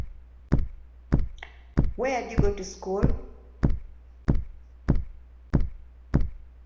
The school has laboratories for Physics, Chemistry, Biology, Biotechnology, Computer Science and Mathematics.